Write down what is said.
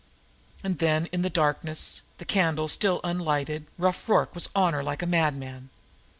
And then, in the darkness, the candle still unlighted, Rough Rorke was on her like a madman.